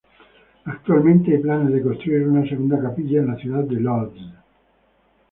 Actualmente hay planes de construir una segunda capilla en la ciudad de Łódź.